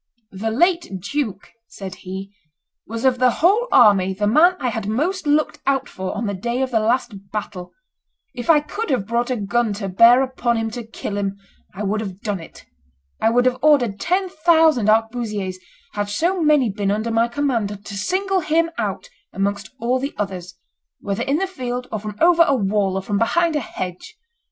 "The late duke," said he, "was of the whole army the man I had most looked out for on the day of the last battle; if I could have brought a gun to bear upon him to kill him, I would have done it; I would have ordered ten thousand arquebusiers, had so many been under my command, to single him out amongst all the others, whether in the field, or from over a wall, or from behind a hedge.